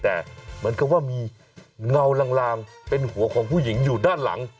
แต่เหมือนกับว่ามีเงาลางเป็นหัวของผู้หญิงอยู่ด้านหลัง